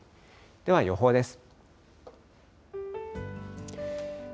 では予報です。